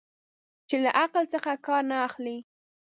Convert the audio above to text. چې له عقل څخه کار نه اخلي.